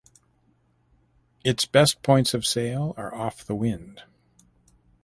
Its best points of sail are off the wind.